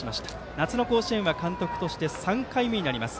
夏の甲子園は監督として３回目になります